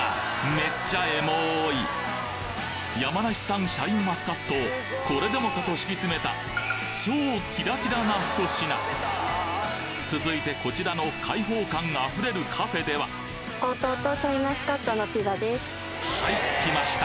めっちゃエモい山梨産シャインマスカットをこれでもかと敷き詰めた超キラキラな一品続いてこちらの開放感溢れるカフェでははいきました！